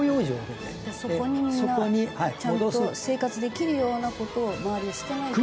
そこにみんなちゃんと生活できるような事を周りにしてないから。